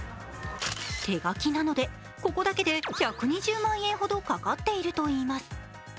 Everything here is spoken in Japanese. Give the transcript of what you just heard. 手書きなので、ここだけで１２０万円ほどかかっているといいます。